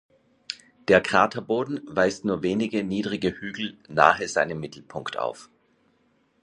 Der Kraterboden weist nur wenige niedrige Hügel nahe seinem Mittelpunkt auf.